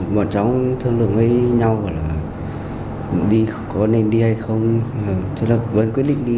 bọn cháu thương lượng với nhau là có nên đi hay không tôi vẫn quyết định đi